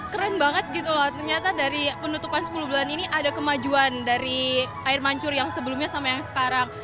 keren banget gitu loh ternyata dari penutupan sepuluh bulan ini ada kemajuan dari air mancur yang sebelumnya sama yang sekarang